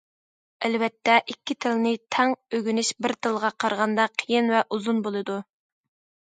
ئەلۋەتتە ئىككى تىلنى تەڭ ئۆگىنىش بىر تىلغا قارىغاندا قىيىن ۋە ئۇزۇن بولىدۇ.